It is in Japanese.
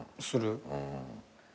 する。